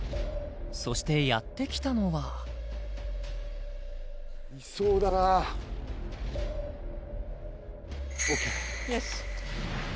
そしてやってきたのはいそうだなＯＫよし